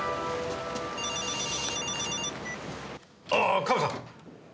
ああカメさん！